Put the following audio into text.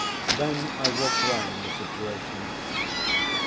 Then I walked round the situation.